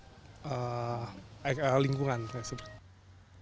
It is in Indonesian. jadi kita harus melakukan sesuatu yang lebih baik untuk lingkungan